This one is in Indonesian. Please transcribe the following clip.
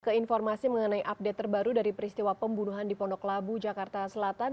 keinformasi mengenai update terbaru dari peristiwa pembunuhan di pondok labu jakarta selatan